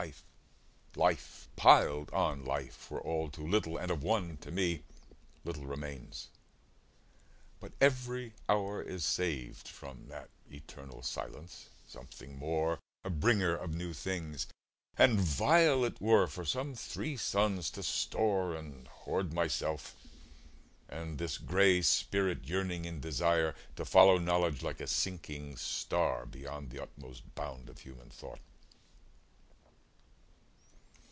Life piled on life Were all too little, and of one to me Little remains: but every hour is saved From that eternal silence, something more, A bringer of new things; and vile it were For some three suns to store and hoard myself, And this gray spirit yearning in desire To follow knowledge like a sinking star, Beyond the utmost bound of human thought.